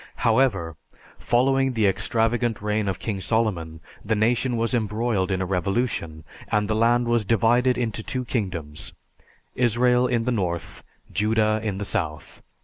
However, following the extravagant reign of King Solomon, the nation was embroiled in a revolution, and the land was divided into two kingdoms Israel in the north, Judah in the south.